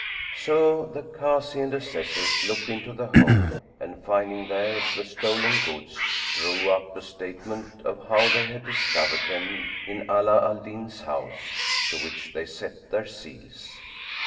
So the Kazi and Assessors looked into the hole and finding there the stolen goods, drew up a statement[FN#99] of how they had discovered them in Ala al Din's house, to which they set their seals.